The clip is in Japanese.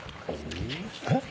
えっ？